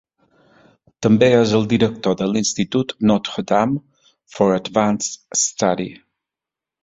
També és el director de l'institut Notre Dame for Advanced Study.